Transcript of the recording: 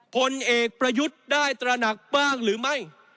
ผลเอกประยุทธ์ได้ตระหนักบ้างหรือไม่